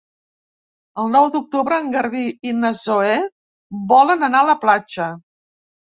El nou d'octubre en Garbí i na Zoè volen anar a la platja.